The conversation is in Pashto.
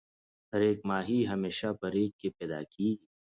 ریګ ماهی همیشه په ریګ کی پیدا کیږی.